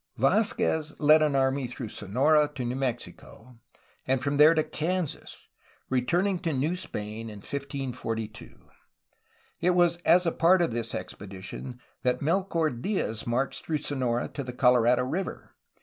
Vazquez led an army through Sonora to New Mexico, and from there to Kansas, returning to New Spain in 1542. It was as a part of this expedition that Mel chor Diaz marched through Sonora to the Colorado River.